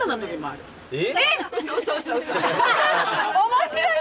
面白い。